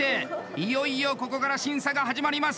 いよいよ、ここから審査が始まります。